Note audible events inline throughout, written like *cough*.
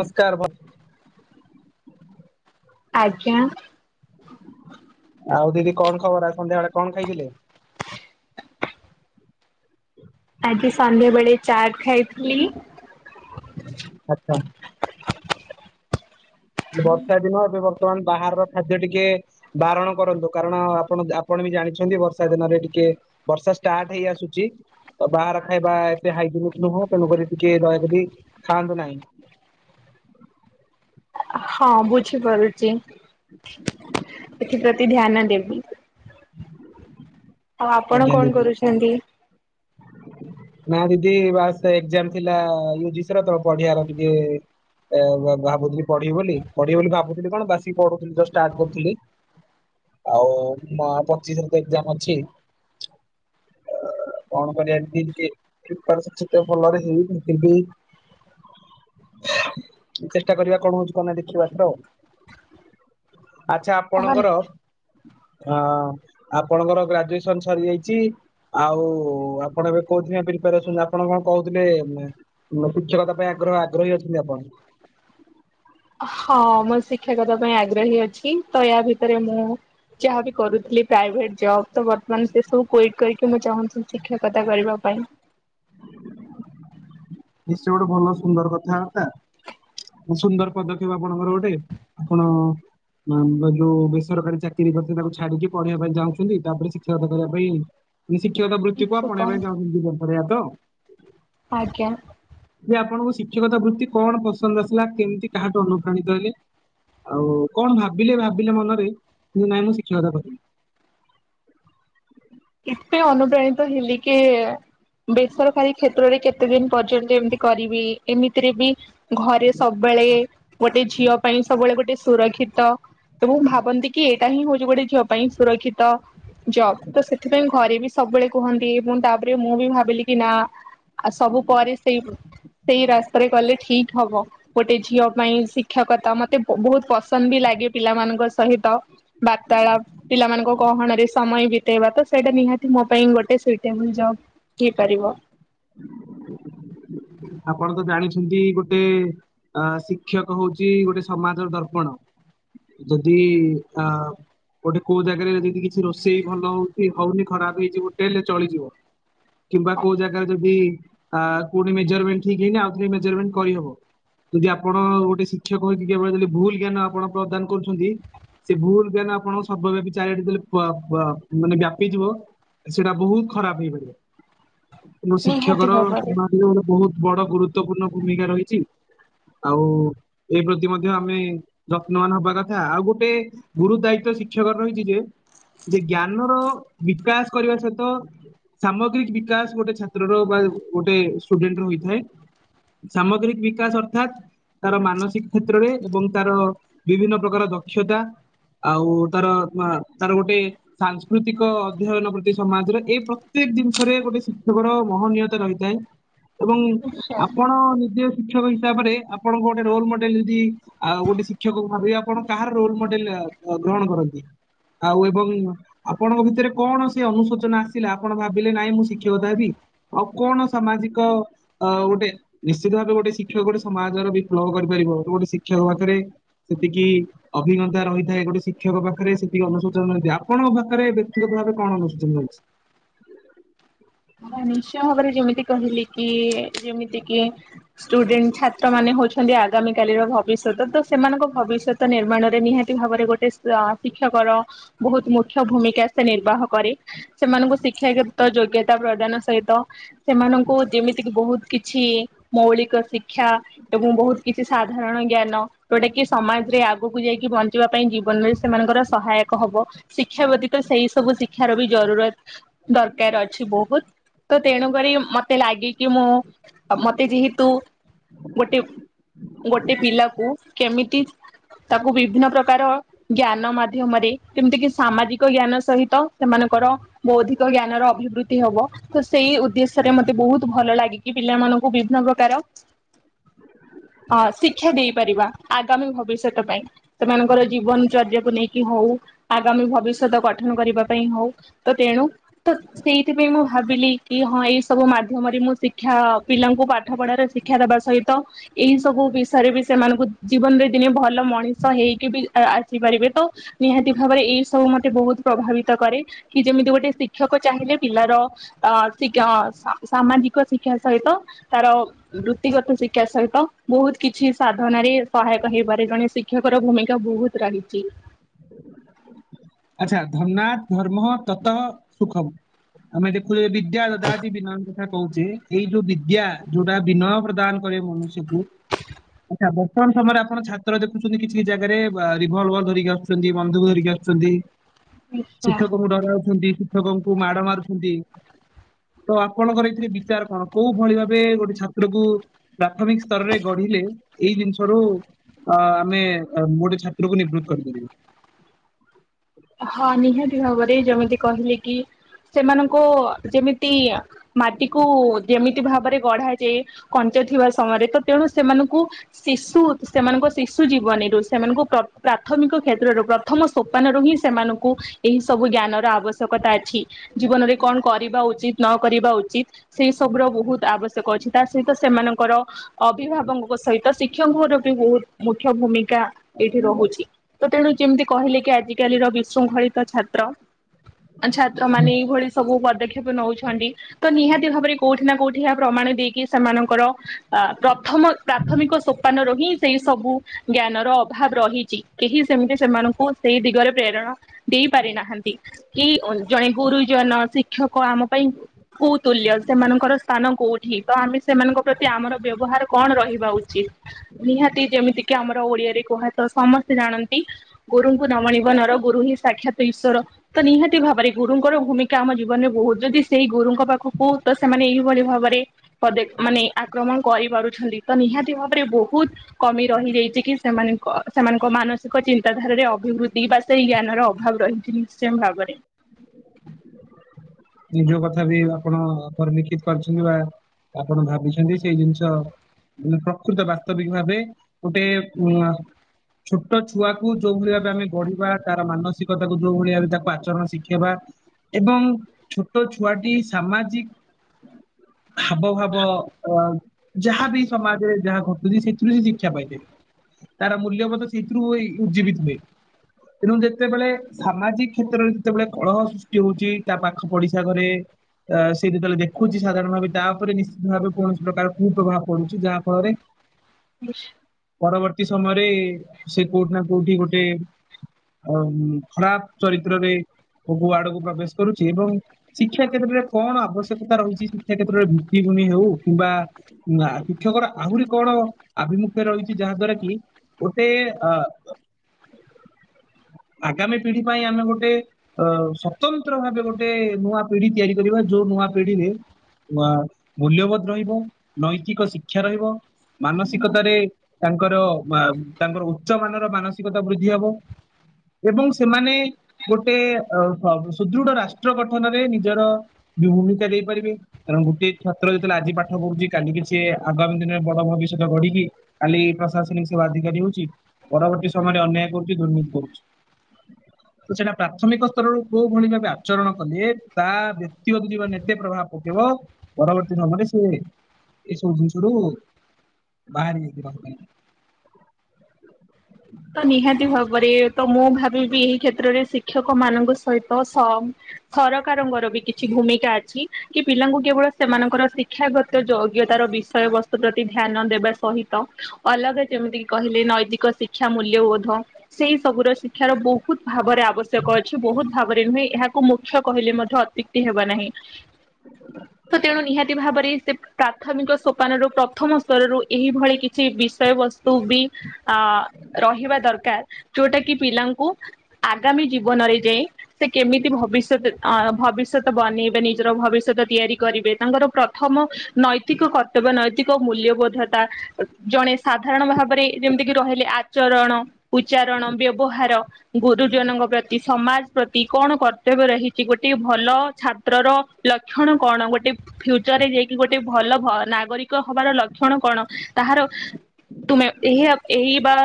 ନମସ୍କାର ବା। ଆଜ୍ଞା। ଆଉ ଦିଦି କଣ ଖବର ସନ୍ଧ୍ୟାବେଳେ କଣ ଖାଇଥିଲେ? *inaudible* ଆଜି ସନ୍ଧ୍ୟା ବେଳେ ଚାଟ ଖାଇଥିଲି। ଆଚ୍ଛା! ବର୍ଷା ଦିନ ଏବେ ବର୍ତ୍ତମାନ ବାହାରର ଖାଦ୍ୟ ଟିକେ ବାରଣ କରନ୍ତୁ, କାରଣ ଆପଣ ଆପଣ ଜାଣି ବର୍ଷା ଦିନରେ ଟିକେ ବର୍ଷା ଷ୍ଟାର୍ଟ ହେଇ ଆସୁଛି ତ ବାହାର ଖାଇବା ଏତେ ହାଇଜେନିକ ନୁହଁ ତେଣୁ କରି ଟିକେ ଦହକ ଖାଆନ୍ତୁ ନାହିଁ। *inaudible* ହଁ ବୁଝିପାରୁଛି ଏଥିପତି ଧ୍ୟାନ ଦେବି। ଆଉ ଆପଣ ଆଜ୍ଞା କଣ ଦିଦି। କରୁଛନ୍ତି? *inaudible* ନା ଦିଦି ବା ଏଜାମ ଥିଲା ୟ ର ତ *unintelligible* ପଢିଆର ଟିକେ ଭାବୁଥିଲି ପଢିବି ବୋଲି, ପଢିବି ବୋଲି ଭାବୁଥିଲି କଣ, ବସିକି ପଢୁଥିଲି, ଷ୍ଟାଟ କରୁଥିଲି ଆଉ ପଚିଶ ଏଜାମ ଅଛି କଣ କରିବା, ଏମତି ଟିକେପ *unintelligible* ସେତ ଭଲରେ ହେଇ ଚେଷ୍ଟା କରିବା କଣ ହଉଛି, କଣ ନାଇଁ ଦେଖିବା ଏଥର ଆଉ ଆଚ୍ଛା, ଆପଣଙ୍କର ଅ ଆପଣଙ୍କର ଗ୍ରାଜୁଏ ସରିଯାଇଛି ଆଉ ଆପଣ ଏବେ କେ *unintelligible* ଆପଣ କଣ କହୁଥିଲେ ଶିକ୍ଷକତା ପାଇଁ ଆଗ୍ରହ, ଆଗ୍ରହୀ ଅଛନ୍ତି ଆପଣ ହଁ ମୋ ଶିକ୍ଷକତା ପାଇଁ ଆଗ୍ରହୀ ଅଛି ତ ୟା ଭିତରେ ମୁଁ ଯାହାବି କରୁଥିଲି ପ୍ରାଇଭେଟ ଜବ୍ ତ, ବର୍ତ୍ତମାନ ସେ ସବୁ କହିି କହିକି ମୁଁ ଚାହୁଁଛିି ଶିକ୍ଷାକତା କରିବା ପାଇଁ ହ *inaudible* ନିଶ୍ଚୟ ସେ ଗୋଟେ ଭଲ, ସୁନ୍ଦର କଥାବାର୍ତ୍ତା ସୁନ୍ଦର ପଦକ୍ଷେପ ଆପଣଙ୍କର ଗୋଟେ, ଆପଣ ଯୋଉ ବେସରକାରୀ ଚାକିରି କରିଛନ୍ତି, ତାକୁ ଛାଡିକି ପଢେଇବା ପାଇଁ ଚାଁହୁଛନ୍ତି, ତାପରେ ଶିକ୍ଷାଗତ କରିବା ପାଇଁ ଶିକ୍ଷକତା ବୃତ୍ତିକୁ ଆପଣେଇ ଇଚ୍ଛୁକ ପାଇଁ କରିବା ତ ଆଜ୍ଞା! ଯେ ଆପଣଙ୍କୁ ଶିକ୍ଷକତା ବୃତ୍ତି କଣ ପସନ୍ଦ ଆସିଲା, କେମିତି କାହାଠୁ ଅନୁପ୍ରାଣିତ ହେଲେ? ଆଉ କଣ ଭାବିଲେ, ଭାବିଲେ ମନରେ କିନ୍ତୁ ନାଇଁ ମୁଁ ଶିକ୍ଷକତା କରିବି *unintelligible* ଏ ଅନୁପ୍ରାଣିତ ହେଲିକି ବେସରକାରୀ କ୍ଷେତ୍ରରେ କେତେ ଦିନ ପର୍ଯ୍ୟନ୍ତ ଏମିତି କରିବି, ଏମିତିରେ ବି ଘରେ ସବୁବେଳେ ଳେ ଗୋଟେ ଝିଅ ପାଇଁ, ସବୁବେଳେ ଗୋଟେ ସୁରକ୍ଷିତ, ତ ଭାବନ୍ତି କି ଏଇଟା ହିଁ ହଉଛି ଗୋଟେ ଝିଅ ପାଇଁ ସୁରକ୍ଷିତ ଜବ୍ ତ ସେଥିପାଇଁ ଘରେ ବି ସବୁବେଳେ କୁହନ୍ତି, ମୁଁ ତାପରେ ମୁଁ ବି ଭାବିଲି କି ନା ଆଉ ସବୁ ପରେ ସେଇ ସେଇ ରାସ୍ତାରେ ଗଲେ ଠିକ ହବ, ଗୋଟେ ଝିଅ ପାଇଁ ଶିକ୍ଷକତା, ମତେ ବହୁତ ପସନ୍ଦ ବି ଲାଗ ଲାଗେ ପିଲାମାନଙ୍କ ସହିତ ବାର୍ତାଳାପ, ପିଲାମାନଙ୍କ ଗହଣ ରେ ସମୟ ବି ବିତେଇବା ତ ସେଇଟା ନିହାତି ମୋ ପାଇଁ ଗୋଟେ ସୁଇଟେବଲ ଜବ ହେଇପାରିବ। ଆପଣ ତ ଜାଣିଛନ୍ତି, ଗୋଟେ ଅ ଶିକ୍ଷକ ହଉଛି ଗୋଟେ ସମାଜର ଦର୍ପଣ ଯଦି ଆ ଗୋଟେ କୋଉ ଜାଗାରେ ଯଦି କିଛି ରୋଷେଇ ଭଲ ହଉଛି, ହଉନି, ଖରାପ ହେଇଛି ହୋଟେଲେରେ ଚଳିଯିବ କିମ୍ବା କୋଉ ଜାଗାରେ ଯଦି କୋଉଠି ମେଜରମେଣ୍ଟ ଠିକ ହେଇନି, ଆଉଥରେ ମେଜରମେଣ୍ଟ କରିହବ ଯଦି ଆପଣ ଗୋଟେ ଶିକ୍ଷକ ହେଇକି କେବଳ ଯଦି ଭୁଲ ଜ୍ଞାନ ଆପଣ ପ୍ରଦାନ କରୁଛନ୍ତି ସେ ଭୁଲ ଜ୍ଞାନ ଆପଣ ସର୍ବ ବ୍ୟାପି ଚାରିଆଡେ ଦେଲେ ମାନେ ବ୍ୟାପି ଯିବ ସେଇଟା ବହୁତ ଖରାପ ହେଇପାରିବ, ତେଣୁ ଶିକ୍ଷକର ନିହାତି ଭାବରେ *unintelligible* ବହୁତ ବଡ ଗୁରୁତ୍ୱପୂର୍ଣ୍ଣ ଭୂମିକା ରହିଛି। ଆଉ ଏଇ ପ୍ରତି ମଧ୍ୟ ଆମେ ଯତ୍ନବାନ ହବା କଥା ଆଉ ଗୋଟେ ଗୁରୁ ଦାୟିତ୍ଵ ଶିକ୍ଷକ ରହିଛି ଯେ- ଜ୍ଞାନର ବିକାଶ କରିବା ସହିତ ସାମଗ୍ରୀକ ବିକାଶ ଗୋଟେ ଛାତ୍ରର ବା ଗୋଟେ ଷ୍ଟୁଡେଣ୍ଟ ର ହୋଇଥାଏ ସାମଗ୍ରୀକ ବିକାଶ ଅର୍ଥାତ୍ ତାର ମାନସିକ କ୍ଷେତ୍ରରେ ଏବଂ ତାର ବିଭିନ୍ନ ପ୍ରକାର ଦକ୍ଷତା ଆଉ ତାର, ତାର ଗୋଟେ ସାଂସ୍କୃତିକ ଅଧ୍ୟୟନ ପ୍ରତି ସମାଜର ଏ ପ୍ରତ୍ୟେକ ପ୍ରତ୍ୟେକ ଜିନିଷରେ ଗୋଟେ ଶିକ୍ଷକର ମହନୀୟତା ରହିଥାଏ ଏବଂ ନିଶ୍ଚୟ। ଆପଣ ନିଜେ ଶିକ୍ଷକ ହିସାବରେ, ଆପଣଙ୍କ ଗୋଟେ ରୋଲ ମଡେଲ ଯଦି ଆଉ ଗୋଟେ ଶିକ୍ଷକ ଭାବିବେ ଆପଣ କାହାର ରୋଲ ମଡେଲ ଗ୍ରହଣ କରନ୍ତି। ଆଉ ଏବଂ ଆପଣଙ୍କ ଭିତରେ କଣ ସେ ଅନୁଶୋଚନା ଆସିଲା, ଆପଣ ଭାବିଲେ ନାଇଁ ମୁଁ ଶିକ୍ଷକତା ହେବି। ଆଉ କଣ ଅ ସାମାଜିକ ଅ ଗୋଟେ ନିଶ୍ଚିତ ଭାବେ ଗୋଟେ ଶିକ୍ଷକ ଗୋଟେ ସମାଜର ବିପ୍ଳବ କରିପାରିବ ଗ ଗୋଟେ ଶିକ୍ଷକ ଶତରେ *unintelligible* ସେତିକି ଅଭିଜ୍ଞତା ରହିଥାଏ, ଗୋଟେ ଶିକ୍ଷକ ପାଖରେ ସେତିକି ଅନୁଶୋଚନ ରହିଥାଏ ଆପଣଙ୍କ ପାଖରେ ବ୍ୟକ୍ତି ଭାରେ କଣ ଅନୁଷ୍ଚନ ଅଛି? ନିଶ୍ଚୟ ଭାବରେ ଯେମିତି କହିଲି କି ଯେମିତି କି ଷ୍ଟୁଡେଣ୍ଟ ଛାତ୍ର ମାନେ ହଉଛନ୍ତି ଆଗାମୀ କାଲିର ଭବିଷ୍ୟତ ତ ସେମାନଙ୍କ ଭବିଷ୍ୟତ ନିର୍ମାଣରେ ନିହାତି ଭାବରେ ଗୋଟେ ଶିକ୍ଷକ ବହୁତ ମୁଖ୍ୟ ଭୂମିକା ସେ ନିର୍ବାହ କରେ ସେମାନଙ୍କୁ ଶିକ୍ଷା୍ ଯୋଗ୍ୟତା ପ୍ର ାନ ସହିତ ସେମାନଙ୍କୁ ଯେମିତିକ ବହୁତ କିଛି ମୌଳିକ ଶିକ୍ଷା ଏବଂ ବହୁତ କିଛି ସାଧାରଣ ଜ୍ଞାନ ଯୋଉଟା କି ସମାଜରେ ଆଗକୁ ଯାଇକି ବଞ୍ଚିବା ପାଇଁ ଜୀବନରେ ସେମାନଙ୍କର ସହାୟକ ହବ ଶିକ୍ଷା ବ୍ୟତୀତ ସେଇ ସବୁ ଶିକ୍ଷାର ବି ଜରୁରତ ଦରକାର ଅଛି ବହୁତ ତ ତେଣୁ କରି ମତେ ଲାଗିକି ମୁଁ ମତେ ଯେହେତୁ ଗୋଟେ ଗୋଟେ ପିଲାକୁ କେମିତି ତାକୁ ବିଭିନ୍ନ ପ୍ରକାର ଜ୍ଞାନ ମାଧ୍ୟମରେ ଯେମିତି କି ସାମାଜିକ ଜ୍ଞାନ ସହିତ ସେମାନେ ଙ୍କର ବୌଦ୍ଧିକ ଜ୍ଞାନ ର ଅଭିବୃଦ୍ଧି ହବ ତ ସେଇ ଉଦ୍ଦେଶ୍ୟରେ ମତେ ବହୁତ ଭଲ ଲାଗେ କିି ପିଲା ମଙ୍କୁ ବିଭିନ୍ନ ପ୍ରକାର *inaudible* ହଁ ଶିକ୍ଷା ଦେଇପାରିବା ଆଗାମୀ ଭବିଷ୍ୟତ ପାଇଁ, ସେମାନଙ୍କର ଜୀବନଚର୍ଯକୁ ନେଇକି ହଉ ଆଗାମୀ ଭବିଷ୍ୟତ ଗଠନ କରିବା ପାଇଁ ହଉ ତ ତେଣୁ ତ ସେଇଥିପାଇଁ ମୁଁ ଭାବିଲି କି ହଁ ଏଇ ସବୁ ମାଧ୍ୟମରେ ମୁଁ ଶିକ୍ଷା ପିଲାଙ୍କୁ ପାଠ ପଢାରେ ଶିକ୍ଷା ଦବା ସହିତ ଏଇ ସବୁ ବିଷୟରେ ବି ସେମାନଙ୍କୁ ଜୀବନରେ ଦିନେ ଭଲ ମଣିଷ ହେଇକି ବି ଆସିପାରିବେ ତ ନିହାତି ଭାବରେ ଏଇ ସବୁ ମତେ ବହୁତ ପ୍ରଭାବିତ କରେ, କି ଯେମିତି ଗୋଟେ ଶିକ୍ଷକ ଚାହିଁଲେ ପିଲାର ଅ ଶିକ ସାମାଜିକ ଶିକ୍ଷା ସହିତ ତାର ବୃତ୍ତିଗତ ଶିକ୍ଷା ସହିତ ବହୁତ କିଛି ସାଧନ ରେ ସହାୟକ ହେଇପାରେ, ଜଣେ ଶିକ୍ଷକ ର ଭୂମିକା ବହୁତ ରହିଛି *inaudible* ଆଚ୍ଛା ଧର୍ନା ଧର୍ମ ତତ ସୁଖମ ଆମେ ଦେଖୁଛେ ବି ଯା ଦାଟି ବି ନା କ କହୁଛେ ଏଇ ଯୋଉ ବିଦ୍ୟା ଯୋଉଟା ବିନୟ ପ୍ରଦାନ କରେ ମନୁଷ୍ୟକୁ ଆଚ୍ଛା ବର୍ତ୍ତମାନ ସମୟରେ ଆପଣ ଛାତ୍ର ଦେଖୁଛନ୍ତି, କିଛି କି ଜାଗାରେ ରିଭଲଭର ଧରିକି ଆସୁଛନ୍ତି ବନ୍ଧକୁ ଧରିକି ଆସୁଛନ୍ତି ଆଚ୍ଛା। ଶିକ୍ଷକଙ୍କୁ ଡରାଉଛନ୍ତି ଶିକ୍ଷକଙ୍କୁ ମାଡ ମାରୁଛନ୍ତି ତ ଆପଣଙ୍କର ଏଥିରେ ବିଚାର କଣ କୋଉ ଭଳି ଭାବେ ଗୋଟେ ଛାତ୍ର କ ପ୍ରାଥମିକ ସ୍ତରରେ ଗଢି ଏଇ ଜିନିଷ ରୁ ଅ ଆମେ ଗୋ ଗଟେ ଛାତ୍ରକୁ ନିବୃତ କରିପାରିବୁ? ହଁ ନିହାତି ଭାବରେ ଯେମିତି କହିଲେ କି ସେମାନଙ୍କ ଯେମିତି ମାଟିକୁ ଯେମିତି ଭାବରେ ଗଢ଼ାଯାଏ ଥିବା ସମୟରେ ତ ତେଣୁ ସେମାନଙ୍କୁ ଶିଶୁ ସେମାନଙ୍କ ଶିଶୁ ଜୀବନୀରୁ ସେମାନଙ୍କୁ ପ୍ରାଥମିକ କ୍ଷେତ୍ରର ପ୍ରଥମ ସୋପାନ ର ହିଁ ସେମାନଙ୍କୁ ଏହି ସବୁ ଜ୍ଞାନ ର ଆବଶ୍ୟକତା ଅଛି, ଜୀବନରେ କଣ କରିବା ଉଚିତ ନ କରିବା ଉଚିତ ସେଇ ସବ ର ବହୁତ ଆବଶ୍ୟକ ଅଛି, ତା ସହିତ ସେମାନଙ୍କର ଅଭିଭାବକଙ୍କ ସହିତ ଶିକ୍ଷ ର ବି ବହୁତ ମୁଖ୍ୟ ଭୂମିକା ଏଇଠି ରହୁଛି ତ ତେଣୁ ଯେମିତି କହିଲେ କି ଆଜିିକାଲିର ବିଶୃଙ୍ଖଳିତ ଛାତ୍ର ଛାତ୍ର ମାନେ ଏଇଭଳି ସବୁ ପଦକ୍ଷେପ ନେଉଛନ୍ତି, ତ ନିହାତି ଭାବରେ କୋଉଠି ନା କୋଉଠି ଏହା ପ୍ରମାଣ ଦେଇକି ସେମାନଙ୍କର ପ୍ରଥମ ପ୍ରାଥମିକ ସୋପାନରୁ ହିଁ ସେଇ ସବୁ ଜ୍ଞାନର ଅଭାବ ରହିଛି କେହି ସେମିତି ସେ ସେଇ ଦିଗରେ ପ୍ରେରଣା ଦେଇ ପାରି ନାହାନ୍ତି କି ଜଣେ ଗୁରୁଜନ ଶିକ୍ଷକ ଆମ ପାଇଁ କହୁତୁଲ୍ୟ ସେମାନଙ୍କର ସ୍ଥାନ, କୋଉଠି ତ ଆମେ ସେମାନଙ୍କ ପ୍ରତି ଆମର ବ୍ୟବହାର କଣ ରହିବା ଉଚିତ୍ ନିହାତି ଯେମିତି କିି ଆମର ଓଡିଆରେ କୁହାଯାଉ ସମସ୍ତେ ଜାଣନ୍ତି ଗୁରୁଙ୍କୁ ନମଣିବ ନ ର ଗୁରୁ ହିଁ ସାକ୍ଷାତ ଈଶ୍ୱର ତ ନିହାତି ଭାବରେ ଗୁରୁଙ୍କର ଭୂମିକା ଆମ ଜୀବନରେ ବହୁତ ଯଦି ସେଇ ଗୁରୁଙ୍କ ପାଖକୁୁ ତ ସେମାନେ ଏଇଭଳି ଭାବରେ ମାନେ ଆକ୍ରମଣ କରିପାରୁଛନ୍ତି ତ ନିହାତି ଭାବରେ ବହୁତ କମି ରହିଯାଇଛି, କି ସେମାନଙ୍କ ସେମାନଙ୍କ ମାନସିକ ଚିନ୍ତାଧାରାରେ ଅଭିବୃଦ୍ଧି ବା ସେଇ ଜ୍ଞାନର ଅଭାବ ରହିଛି ନିଶ୍ଚୟ ଭାବରେ ନି ଯୋଉ କଥା ବି ଆପଣ ପରିଲିଖିତ କରିଛନ୍ତି ବା ଆପଣ ଭାବିଛନ୍ତି ସେଇ ଜିନିଷ ଉପ୍ରକୃତ ବାସ୍ତବିକ ଭାବେ ଗୋଟେ ଉ ଛୋଟ ଛୁଆକୁ ଯୋଉ ଭଳି ଭାବେ ଆମେ ଗଢିବା ତାର ମାନସିକତାକୁ ଯୋଉ ଭଳି ଭାବେ ତାକୁ ଆଚରଣ ଶିଖେଇବା ଏବଂ ଛୋଟ ଛୁଆଟି ସାମାଜିକ ଭାବ ଭାବ ଅ ଯାହାବି ସମାଜରେ ଯାହା ଘଟୁଛି ସେଥିରୁ ସେ ଶିକ୍ଷା ପାଇଥାଏ। ତାର ମୂଲ୍ୟ ବଧ ସେଇଥିରୁ ଉଜ୍ଜୀବିତ ହୁଏ। ତେଣୁ ଯେତେବେଳେ ସାମାଜିକ କ୍ଷେତ୍ରରେ ଯେତେବେଳେ କଳହ ସୃଷ୍ଟି ହଉଛି ତା ପାଖରେ ପାଖ ପଡିଶା ଘରେ ସେ ଯେତେବେଳେ ଦେଖୁଛି ସାଧାରଣ ଭାବେ ତାପରେ ନିଶ୍ଚିତ ଭାବେ କୌଣସି ପ୍ରକାର କୁ ଆ ପଡ଼ୁଛି ଯାହା ଫଳରେ ବେଶ୍ ପରବର୍ତ୍ତୀ ସମୟରେ ସେ କୋଉଠି ନା କୋଉଠି ଗୋଟେ ଅ ଖରାପ ଚରିତ୍ରରେ କୁ ଆଡକୁ ପ୍ରବେଶ କରୁଛି। ଏବଂ ଶିକ୍ଷା କ୍ଷେତ୍ରରେ କଣ ଆବଶ୍ୟକତା ରହିଛି ଶିକ୍ଷା କ୍ଷେତ୍ରରେ ଭିତିଭୂମି ହଉ କିମ୍ବା ନା ଶିକ୍ଷକର ଆହୁରି କଣ ଆଭିମୁଖ୍ୟ ରହିଛି ଯାହା ଦ୍ଵାରା କି ଗୋଟେ ଅ ଆଗାମୀ ପିଢି ପାଇଁ ଆମେ ଗୋଟେ ଅ ସ୍ଵତନ୍ତ୍ର ଭାବେ ଗୋଟେ ଗୋଟେ ନୂଆ ପିଢି ତିଆରି କରିବା ଯୋଉ ନୂଆ ପିଢିରେ ନୂଆ ମୂଲ୍ୟବୋଧ ରହିବ ନୈତିକ ଶିକ୍ଷା ରହିବ। ମାନସିକତାରେ ତାଙ୍କର ବା ତାଙ୍କର ଉଚ୍ଚ ମାନର ମାନସିକତା ବୃଦ୍ଧି ହବ। ଏବଂ ସେମାନେ ଗୋଟେ ଅ ସୁଦୃଢ ରାଷ୍ଟ୍ର ଷ୍ଟ୍ର ଗଠନରେ ନିଜର ଭୂମିକା ଦେଇପାରିବେ କାରଣ ଗୋଟେ ଛାତ୍ର ଯେତେବେଳେ ଆଜି ପାଠ ପଢୁଛି କାଲି ସିଏ ଆଗାମୀ ଦିନରେ ବଡ ଭବିଷ୍ୟତ ଗଢିକି କାଲି ପ୍ରଶାସନିକ ସେବା ଅଧିକାରୀ ହଉଛି ପରବର୍ତ୍ତୀ ଅନ୍ୟାୟ କରୁଛି ଦୁର୍ନୀତି କରୁଛି ତ ସେଇଟା ପ୍ରାଥମିକ ସ୍ତରରୁ କୋଉ ଭଳି ଭାବେ ଆଚରଣ କଲେ ତା ବ୍ୟକ୍ତିଗତ ଯିବ ଏତେ ପ୍ରଭାବ ପକେଇବ ପରବର୍ତ୍ତୀ ସମୟରେ ସିଏ ଏ ସବୁ ଜିନିଷରୁୁ ବାହାରି ଯାଇକି *inaudible* ତ ନିହାତି ଭାବରେ ତ ମୁଁ ଭାବିବି ଏହି କ୍ଷେତ୍ରରେ ଶିକ୍ଷକ ମାନଙ୍କ ସହିତ ସ ସରକାରଙ୍କର ବି କିଛି ଭୂମିକା ଅଛି କି ପିଲାଙ୍କୁ କେବଳ ସେମାନଙ୍କର ଶିକ୍ଷାଗତ ଯୋଗ୍ୟ ତାର ବିଷୟ ବସ୍ତୁ ପ୍ରତି ଧ୍ୟାନ ଦେବା ସହିତ ଅଲଗା ଯେମିତି କି କହିଲେ ନୈତିକ ଶିକ୍ଷା ଶିକ୍ଷା ମୂଲ୍ୟବୋଧ ସେଇ ସବୁର ର ଶିକ୍ଷାର ବହୁତ ଭାବରେ ଆବଶ୍ୟକ ଅଛି ବହୁତ ଭାବରେ ନୁହେଁ ଏହା ମୁଖ୍ୟ କହିଲେ ମଧ୍ୟ ଅତ୍ୟୁକ୍ତି ହେବ ନାହିଁ। ତ ତେଣୁ ନିହାତି ଭାବରେ ସେ ପ୍ରାଥମିକ ସୋପାନରୁ ପ୍ରଥମ ସ୍ତରରୁ ଏହିଭଳି କିଛି ବିଷୟବସ୍ତୁ ବି ଅ ରହିବା ଦରକାର ଯୋଉଟା କି ପିଲାଙ୍କୁ ଆଗାମୀ ଜୀବନରେ ଯାଇ ସେ କେମିତି ଭବିଷ୍ୟତ ଅ ଭବିଷ୍ୟତ ବନେଇବେ ନିଜର ଭବିଷ୍ୟତ ତିଆରି କରିବେ ତାଙ୍କର ପ୍ରଥମ ନୈତିକ ତେବେ ନୈତିକ ମୂଲ୍ୟବୋଧତା ଜଣେ ସାଧାରଣ ଭାବରେ ଯେମିତିକି ରହିଲେ ଉଚ୍ଚରଣ ଉଚ୍ଚାରଣ ବ୍ୟବହାର ଗୁରୁଜନଙ୍କ ପ୍ରତି ସମାଜ ପ୍ରତି କଣ କର୍ତ୍ତବ୍ୟ ରହିଛି ଗୋଟେ ଭଲ ଛାତ୍ରର ଲକ୍ଷଣ କଣ? ଗୋଟେ ଫ୍ୟୁଚର ରେ ଯାଇକି ଗୋଟେ ଭଲ ଭ ନାଗରିକ ହବାର ଲକ୍ଷଣ କଣ ତାହାର ତୁମେ ଏହା ଏହି ବା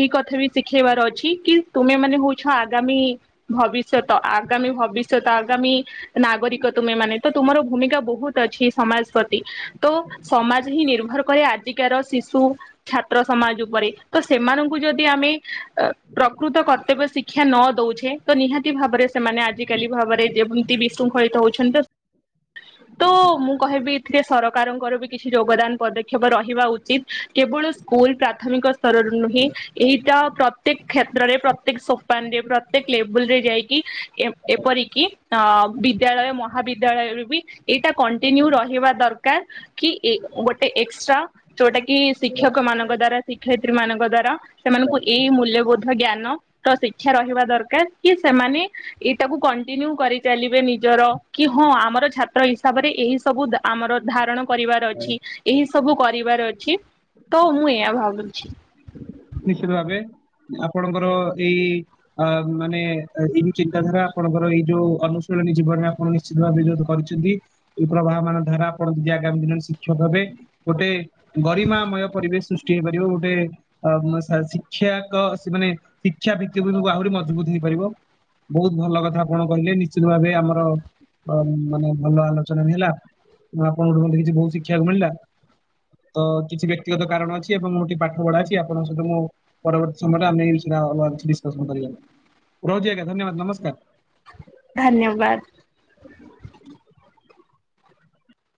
ଏଇ କଥା ବି ଶିଖେଇବାର ଅଛି କି ତୁମେ ମାନେ ହଉଛ ଆଗାମୀ ଭବିଷ୍ୟତ ଆଗାମୀ। ଭବିଷ୍ୟତ ଆଗାମୀ ନାଗରିକ ତୁମେ ମାନେ ତ ତୁମର ଭୂମିକା ବହୁତ ଅଛି ସମାଜ ପ୍ରତି ତ ସମାଜ ହିଁ ନିର୍ଭର କରେ ଆଜିକାର ଶିଶୁ ଛାତ୍ର ସମାଜ ଉପରେ ତ ସେମାନଙ୍କୁ କୁ ଯଦି ଆମେ ପ୍ରକୃତ କତ୍ତର୍ବ୍ୟ ଶିକ୍ଷା ନ- ଦଉଛେ ତ ନିହାତି ଭାବରେ ସେମାନେ ଆଜିକାଲି ଭାବରେ ଯେମତି ବିଶୃଙ୍ଖଳିତ ହଉଛନ୍ତି ତ *inaudible* ତ ମୁଁ କହିବି ଏଥିରେ ସରକାରଙ୍କର ବି କିଛି ଯୋଗଦାନ ପଦକ୍ଷେପ ରହିବା ଉଚିତ କେବଳ ସ୍କୁ ସ୍କୁଲ ପ୍ରାଥମିକ ସ୍ତରରୁ ନୁହେଁ। ଏଇଟା ପ୍ରତ୍ୟେକ କ୍ଷେତ୍ରରେ ପ୍ରତ୍ୟେକ ସୋପାନରେ ପ୍ରତ୍ୟେକ ଲେବୁଲ ରେ ଯାଇକି ଏପରିକି ଅ ବିଦ୍ୟାଳୟ ମହାବିଦ୍ୟାଳୟରୁ ବି ଏଇଟା କଣ୍ଟିନ୍ୟୁ ରହିବା ଦରକାର କି ଇ ଗୋଟେ ଏକ୍ସଟ୍ରା ଯୋଉଟା କି ଶିକ୍ଷକ ମାନଙ୍କ ଦ୍ଵାରା ଶିକ୍ଷୟିତ୍ରୀ ମାନଙ୍କ ଦ୍ଵାରା ସେମାନଙ୍କୁ ଏଇ ମୂଲ୍ୟବୋଧ ଜ୍ଞାନ ର ଶିକ୍ଷା ରହିବା ଦରକାର କି ସେମାନେ ଏଇଟାକୁ କଣ୍ଟିନ୍ୟୁ କରିଚାଲିବେ ନିଜ ଜର କି ହଁ ଆମର ଛାତ୍ର ହିସାବରେ ଏହି ସବୁ ଧା ଆମର ଧାରଣ କରିବାର ଅଛି ଏହି ସବୁ ସବୁ କରିବାର ଅଛି ତ ମୁଁ ଏୟା ଭାବୁଛି। ନିଶ୍ଚିତ ଭାବେ ଆପଣଙ୍କର ଏଇ ଅ ମାନେ ଏଇ ଚିନ୍ତାଧାରା ଆପଣ ର ଏଇ ଯୋଉ ଅନୁଶୀଳନୀ ଜୀବନ ଆପଣ ନିଶ୍ଚିତ ଭାବେ କରିଛନ୍ତି ଏ ପ୍ରବାହ ମାନ ଧାରା ଆପଣ ଯି ଜା ଆପଣ ଶିକ୍ଷକ ହେବେ ଗୋଟେ ଗରିମାମୟ ପରିବେଶ ସୃଷ୍ଟି ହେଇପାରିବ ଗୋଟେ ଆ *unintelligible* ଶିକ୍ଷାକ ମାନେ ଶିକ୍ଷା ଭିତ୍ତି ଆହୁରି ମଜବୁତ ହେଇପାରିବ ବହୁତ ଭଲ କଥା ଆପଣ କହିଲେ ନିଶ୍ଚିତ ଭାବେ ଆମର ମାନେ ଭଲ ଆଲୋଚନା ବି ହେଲା ଆପଣଙ୍କଠୁ କିଛି ବହୁତ ଶିଖିବାକୁ ମିଳିଲା। ତ କିଛି ବ୍ୟକ୍ତିଗତ କାରଣ ଅଛି ଏବଂ ମୁଁ ଟିକେ ପାଠ ପଢା ଅଛି ଆଉ ଆପଣ ସହିତ ମୁଁ ପରବର୍ତ୍ତୀ ସମୟରେ ଆମେ ଏ ବିଷୟରେ ଅଲଗା କିଛି ଡିସ୍କସନ କରିବା। ରହୁଛି ଆଜ୍ଞା ଧନ୍ୟବାଦ ନମସ୍କାର। ଧନ୍ୟବାଦ।